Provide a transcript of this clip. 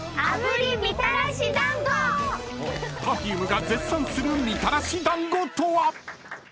［Ｐｅｒｆｕｍｅが絶賛するみたらし団子とは⁉］